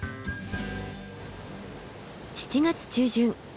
７月中旬。